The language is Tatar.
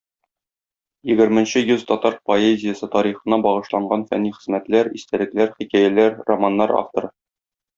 Егерменче йөз татар поэзиясе тарихына багышланган фәнни хезмәтләр, истәлекләр, хикәяләр, романнар авторы.